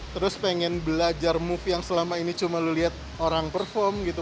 terus pengen belajar move yang selama ini cuma lu lihat orang perform gitu